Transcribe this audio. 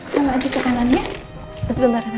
sama aja ke kanan ya sebentar tante